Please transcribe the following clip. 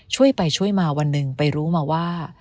ช่วยไปช่วยมาวันหนึ่งไปรู้มาว่า